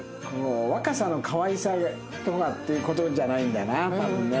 若さのかわいさとかっていう事じゃないんだな多分ね。